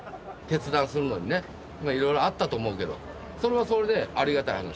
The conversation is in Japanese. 決断するのにね、いろいろあったと思うけど、それはそれでありがたい話。